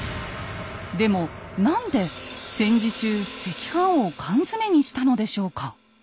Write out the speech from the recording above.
でも何で戦時中赤飯を缶詰にしたのでしょうか？